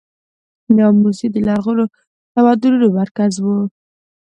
د امو سیند د لرغونو تمدنونو مرکز و